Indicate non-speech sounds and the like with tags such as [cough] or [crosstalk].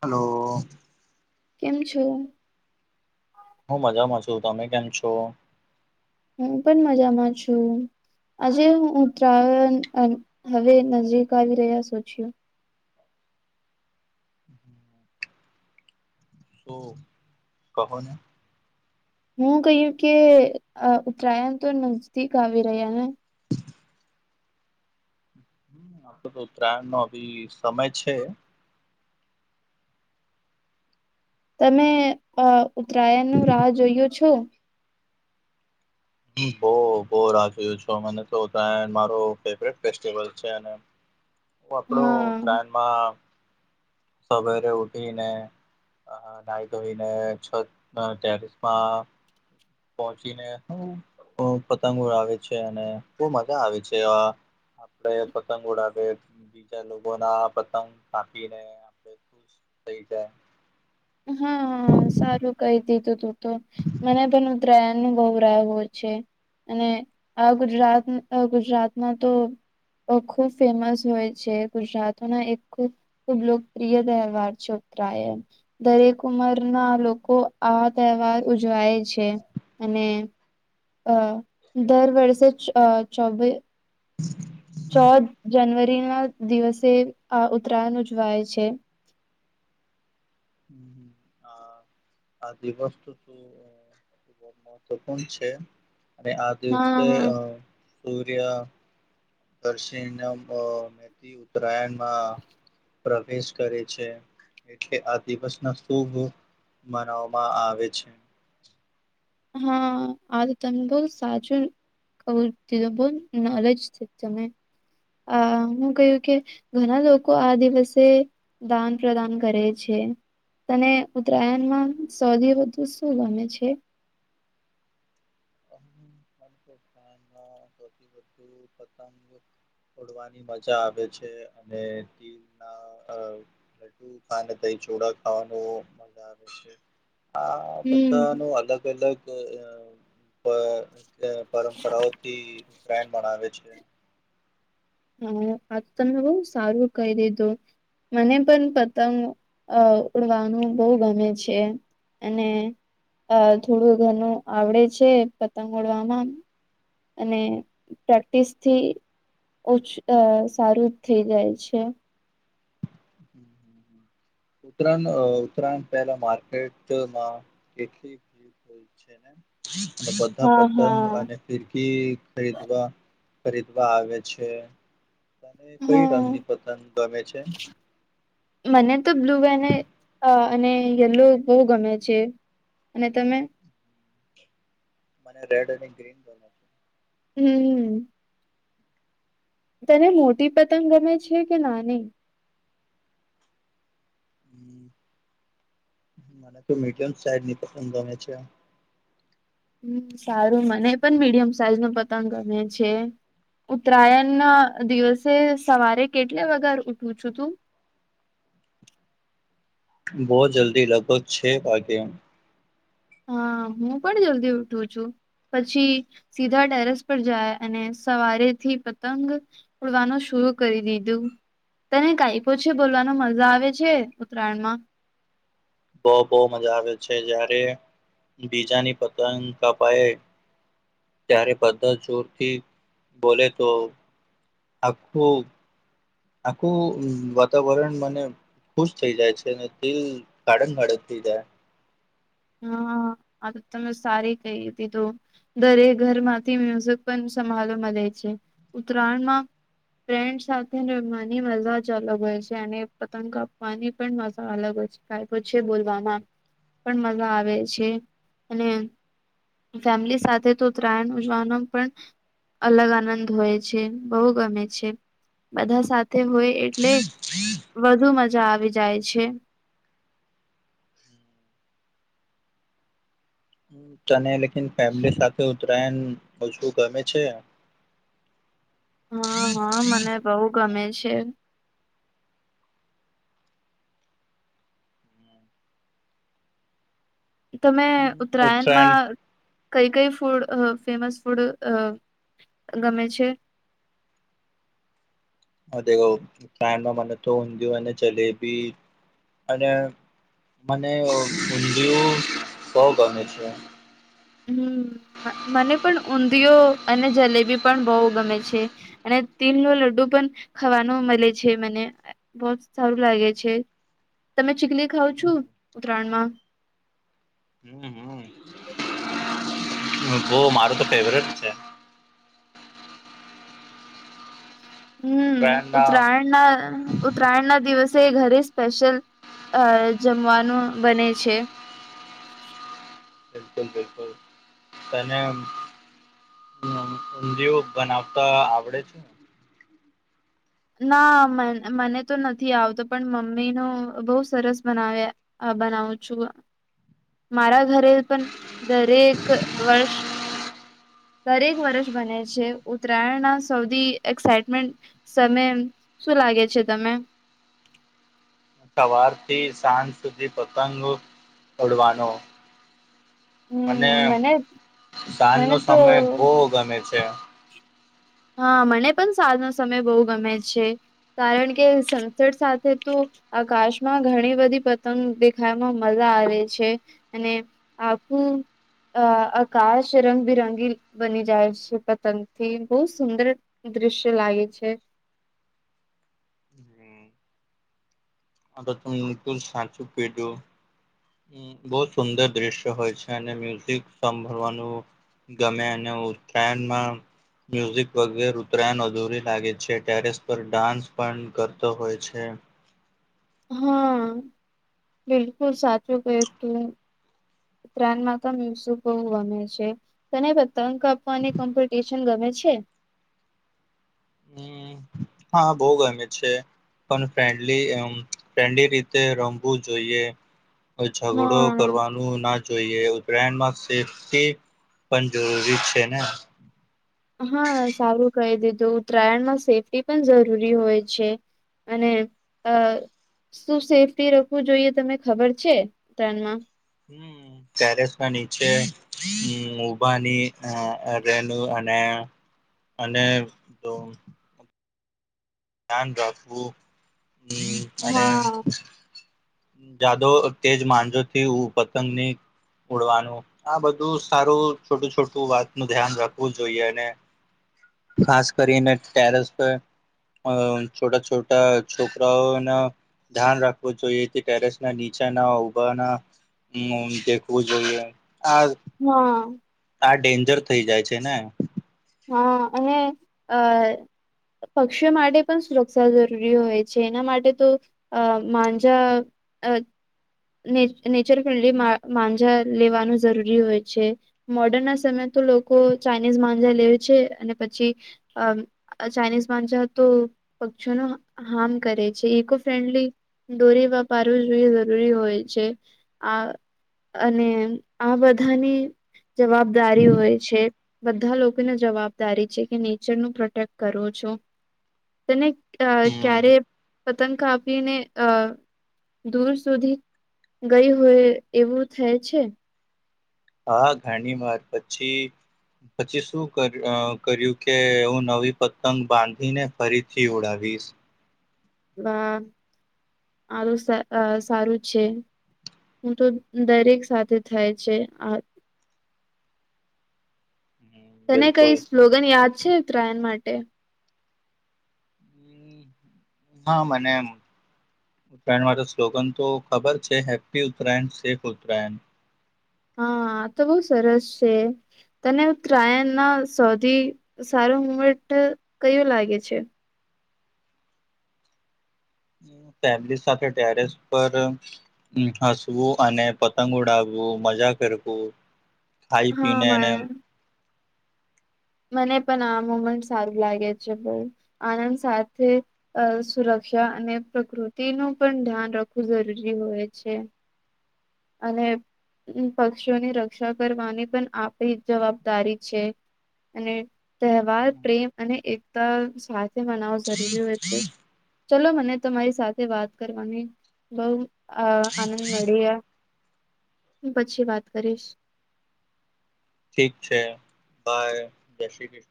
Hello. કેમ છો? હું મજામાં છું, તમે કેમ છો? હું પણ મજામાં છું. આજે હું ઉતરાયણ, હવે નજીક આવી છે. [inaudible] તો કહો ને. હું કહ્યું કે ઉત્તરાયણ તો નજદીક આવી રહ્યા ને? હમ આપણે તો ઉત્તરાયણ નો અભી સમય છે. તમે અ ઉત્તરાયણનું રાહ જોઈયો છો? બહુ બહુ રાહ જોયો છે. મને તો ઉતરાયણ મારી ફેવરિટ ફેસ્ટિવલ છે અને તો આપડું હા ઉત્તરાયણમાં સવારે ઊઠીને અ નાઈ ધોઈને છત ટેરેસમાં પહોંચીને હું પતંગો ઉડાવે છે અને બહુ મજા આવે છે. આ આપડે પતંગ ઉડાવીએ, બીજા લોકોના પતંગ કાપીને. ખુશ થઈ જાય. હા સારું કહી દીધું તું તો. મને પણ ઉત્તરાયણનું બહુ રાહ હોય છે. અને આ ગુજરાત ગુજરાતમાં તો અ ખૂબ ફેમસ હોય છે. ગુજરાતના એક ખૂબ ખુબ લોકપ્રિય તહેવાર છે ઉતરાયણ. દરેક ઉંમરના લોકો આ તહેવાર ઉજવાય છે અને અ દર વર્ષે અ [inaudible] ચોદ જનવરીના દિવસે આ ઉતરાયણ ઉજવાય છે. હ આ આ દિવસ તો તો ખૂબ મહત્વપૂર્ણ છે. અને આ હા દિવસે હા અ સૂર્ય, દર્શિ મેથી ઉતરાયણમાં પ્રવેશ કરે છે. એટલે આ દિવસના ખુબ મનાવવામાં આવે છે. હા આ તો તમ બહુ સાચું કહું કીધું બહ નોલેજ છે તમે. આ હું કહ્યું કે ઘણા લોકો આ દિવસે દાન પ્રદાન કરે છે. તને ઉત્તરાયણમાં સૌથી વધુ શું ગમે છે? ઉતરાયણમાં સૌથી વધુ પતંગ ઓડવાની મજા આવે છે અને ટીમના અ [inaudible] ને દહીંચોડા ખાવાનું મજા આવે છે. આ હમ. બધાનું અલગ અલગ અ અ પરંપરાઓથી ઉતરાયણ મનાવે છે. હા આતો તમે બહુ સારું કઈ દીધું. મને પણ પતંગ અ ઉડવાનું બહુ ગમે છે. અને અ થોડું ઘનું આવડે છે. પતંગ ઉડવામાં અને પ્રેક્ટિસથી ઓછ અ સારું થઈ જાય છે. ઉત્તરાયણ ઉત્તરાયણ પહેલા માર્કેટમાં કેટલી ભીડ હોય છે ને? તો બધા હા પતંગ હા. અને ફિરકી ખરીદવા ખરીદવા આવે છે. તને કઈ હા રંગની પતંગ ગમે છે? મને તો બ્લુ અને અ અને યલો બહુ ગમે છે. અને તમે? મને રેડ અને ગ્રીન ગમે. હમ્મ. તને મોટી પતંગ ગમે છે કે, નાની હમ્મ, મને તો મીડિયમ સાઈઝની પતંગ ગમે છે. હમ્મ સારું, મને પણ મીડિયમ સાઈઝનો પતંગ ગમે છે. ઉત્તરાયણના દિવસે સવારે કેટલે વગર ઉઠું છું તું? બહોત જલ્દી લગભગ છે વાગે. હા, હું પણ જલ્દી ઉઠું છું. પછી સીધા ટેરેસ પર જાય, અને સવારેથી પતંગ ઉડવાનું શુરૂ કરી દીધું. તને કાઇપો છે, બોલવાનો મજા આવે છે ઉત્તરાયણમાં. બહુ બહુ મજા આવે છે, જ્યારે બીજાની પતંગ કપાયે. ત્યારે બધા જોરથી બોલે તો, આખ્ખું આખું વાતાવરણ મને. ખુશ થઈ જાય છે, અને દિલ ગાડન-ગાડન થઈ જાય. હા, આ તો તમે સારી કહી દીધું. દરેક ઘરમાંથી મ્યુઝિક પણ સંભાળો મળે છે ઉત્તરાયણમાં. ફ્રેન્ડ સાથે રમવાની મજા જ અલગ હોય છે, અને પતંગ કાપવાની પણ મજા અલગ હોય છે. કાઇપો છે, બોલવામાં પણ મજા આવે છે, અને ફેમિલી સાથે તો ઉતરાયણ ઉજવાનું પણ અલગ આનંદ હોય છે, બહુ ગમે છે. બધા સાથે હોય, એટલે વધુ મજા આવી જાય છે. તને લેકીન ફેમિલી સાથે ઉજવવું ગમે છે. હા, હા, મને બહુ ગમે છે. તમે ઉત્તરાયણ ઉત્તરાયણમાં કઈ કઈ ફૂડ અ ફેમસ ફૂડ અ ગમે છે? ઉત્તરાયણમા ઉંધીયું અને જલેબી અને [unintelligible] મને ઊંધિયું બહુ ગમે છે. હમ્મ, મને પણ ઊંધિયો અને જલેબી પણ બહુ ગમે છે. અને તીલનું લડડુ પણ ખાવાનું મળે છે મને. બહોત સારું લાગે છે, તમે ચીકલી ખાઓ છો ઉત્તરાયણમાં? હમ્મ, હમ્મ. મારું તો ફેવરેટ છે. હમ્મ, ઉત્તરાયણના ઉત્તરાયણના ઉત્તરાયણ ના દિવસે ઘરે સ્પેશિયલ અ જમવાનું બને છે. એકદમ બિલકુલ. તને ઊંધિયું બનાવતા આવડે છે? ના મને તો નથી આવતો, પણ મમ્મી ન બહુ સરસ બનાવ્યા. બનાવું છું, મારા ઘરે પણ દરેક વર્ષ. દરેક વર્ષ બને છે, ઉત્તરાયણ ના સૌથી એક્સાઈટમેન્ટ સમય શું લાગે છે તમે? સવાર થી સાંજ સુધી પતંગ મને સાંજ નો મને તો સમય બઉ ગમે છે. હા, મને પણ સાજનો સમય બહુ ગમે છે, કારણ કે સનસેટ સાથે તો આકાશમાં ઘણી બધી પતંગ દેખામાં મજા આવે છે, અને આખું. અ આકાશ રંગબિરંગી બની જાય છે પતંગથી. બહુ સુંદર દ્રશ્ય લાગે છે. હમ, આ તમ તમ સાચું [unintelligible] બઉ સુંદર દ્રશ્ય હોય છે અને મ્યુઝિક સાંભળવાનું ગમે અને ઉત્તરાયણમાં મ્યુઝિક વગેરે ઉતરાયણ અધૂરી લાગે છે, ટેરેસ પર ડાન્સ પણ કરતો હોય છે. હા, બિલકુલ સાચું ક્યુ તમે. ત્રાનમાં તો મ્યુઝિક બહુ ગમે છે. તમે પતંંગ કાપવાની કોમ્પિટિશન ગમે છે? હમ હા બઉ ગમે છે. પણ ફ્રેન્ડલી આમ ફ્રેન્ડલી રીતે રમવું જોઈએ. ઝઘડો હા. કરવાન ના જોઈએ ઉત્તરાયણમાં સેફ્ટી પણ જરૂરી છે ને. હા સારું કહી દીધું ઉત્તરાયણમાં સેફ્ટી પણ જરૂરી હોય છે. અને અ શું સેફ્ટી રખવું જોઈએ તને ખબર છે ઉત્તરાણમાં? હમ્મ. તેરેસ ના નીચે ઉભાની રેનુ અને અને જો ધ્યાન રાખવું અને હા જાદો તેજ માંજો થી પતંગ ની ઉડવાનું. આ બધું સારું છોટું છોટું વાત નું ધ્યાન રાખવું જોઈએ અને ખાસ કરીને ટેરેસ પર અ છોટા છોટા છોકરાઓન ધ્યાન રાખવું જોઈ પછી ટેરેસ ના નીચેના ઉભા ના દેખવું જોઈએ આ હા. આ ડેન્જર થઈ જાય છે ને. હા અને અ પક્ષીઓ માટે પણ સુરક્ષા જરૂરી હોય છે એના માટે તો અ માંજા અ ને નેચર ફ્રેન્ડલી મા માંજા લેવાનું જરૂરી હોય છે. મોર્ડર્ન ના સમયે તો લોકો ચાઇનીઝ માંજા લેવ છે અને પછી અ આ ચાઇનીઝ માંજા ઓ તો પક્ષીઓનો હાર્મ કરે છે. ઇકો ફ્રેન્ડલી દોરી વાપરવું જોઈએ જરૂરી હોય છે આ અને આ બધાની જવાબદારી હોય છે, બધા લો જવાબદારી છે કે નેચર નું પ્રોટેક્ટ કરો છો. તને અ હમ ક્યારે પતંગ કાપીને અ દૂર સુધી ગઈ હોય એવું થાય છે. હા ઘાણી વાર પછી પછી શું ક કર્યું કે હું નવી પતંગ બાંધીને ફરીથી ઉડાવીશ. ના, આ વિશે સારું છે. હું તો દરેક સાથે થાય છે આ. તને કઈ બિલકુલ સ્લોગન યાદ છે ઉતરાયણ માટે? હા મને એમ ત્રણ વાગે સ્લોગન તો ખબર છે હેપી ઉત્તરાયણ સેફ ઉત્તરાયણ હા આતો બહુ સરસ છે તને ઉ તરાયણ ના સૌથી સારો મુમેન્ટ કયુ લાગે છે ફેમલી સાથે ટેરેસ પર ને હસવું અને પતંગ ઉડાવવું મજા કરવું ખાઈ પી હા ને એને મ- મને પણ આ મુમેન્ટ સારું લાગે છે પણ આનંદ સાથે અ સુરક્ષા અને પ્રકૃતિનું પણ ધ્યાન રાખવું જરૂરી હોય છે. અને પક્ષીઓની રક્ષા કરવાની પણ આપણી જવાબદારી છે. અને તહેવાર પ્રેમ અને એકતા સાથે મનાવો જરૂરી હોય છે ચલો મને તમારી સાથે વાત કરવાની બઉ આ આનંદ મળીયા હું પછી વાત કરીશ ઠીક છે બાય જય શ્રી કૃષ્ણ